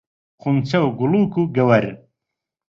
خونچە و گوڵووک و گەوەر